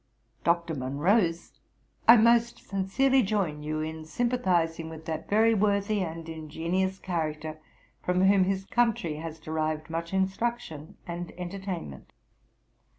Dr. Monro's, 'I most sincerely join you in sympathizing with that very worthy and ingenious character, from whom his country has derived much instruction and entertainment.'